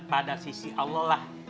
pada sisi allah lah